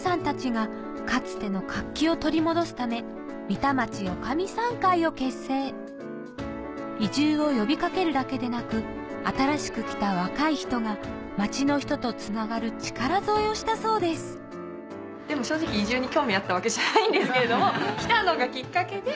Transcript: みたまちおかみさん会を結成移住を呼び掛けるだけでなく新しく来た若い人が町の人とつながる力添えをしたそうですでも正直移住に興味あったわけじゃないんですけど来たのがきっかけで。